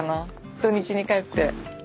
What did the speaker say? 土日に帰って。